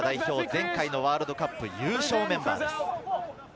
前回ワールドカップ優勝メンバーです。